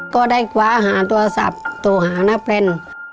ก็ได้กว้าหาโทรศัพท์ตัวหานักเป็น